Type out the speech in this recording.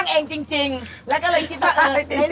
เมื่อกี้มันผิด